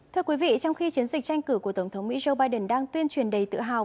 thưa quý vị trong khi chiến dịch tranh cử của tổng thống mỹ joe biden đang tuyên truyền đầy tự hào